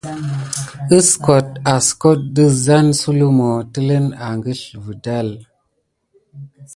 Heskote adkota ɗazen su lumu teline agəlzevədal.